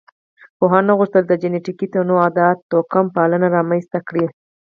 پوهانو نه غوښتل د جینټیکي تنوع ادعا توکمپالنه رامنځ ته کړي.